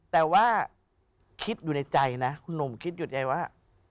แต่ว่าคิดอยู่ในใจนะคุณหนุ่มคิดหยุดใยว่า